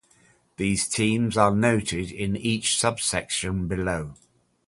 These teams are noted in each subsection below.